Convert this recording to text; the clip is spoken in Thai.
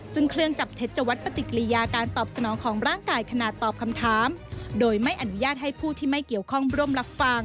ซึ่งเครื่องจับเท็จจะวัดปฏิกิริยาการตอบสนองของร่างกายขณะตอบคำถามโดยไม่อนุญาตให้ผู้ที่ไม่เกี่ยวข้องร่วมรับฟัง